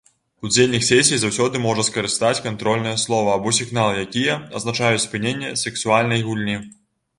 Удзельнік сесіі заўсёды можа скарыстаць кантрольнае слова або сігнал, якія азначаюць спыненне сексуальнай гульні.